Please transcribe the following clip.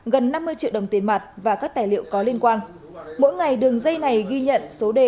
gần năm mươi triệu đồng tiền mặt và các tài liệu có liên quan mỗi ngày đường dây này ghi nhận số đề